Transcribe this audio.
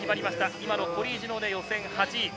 今のコリー・ジュノーで予選は８位。